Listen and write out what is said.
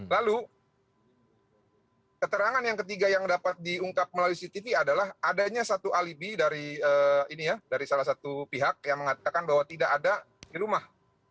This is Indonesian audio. lalu keterangan yang ketiga yang dapat diungkap melalui cctv adalah adanya satu alibi dari salah satu pihak yang mengatakan bahwa tidak ada di rumah